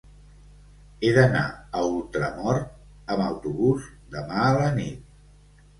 He d'anar a Ultramort amb autobús demà a la nit.